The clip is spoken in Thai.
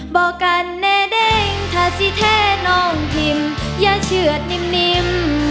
บอกกันแน่เด้งถ้าสิแท้น้องทิมอย่าเชื่อดนิ่ม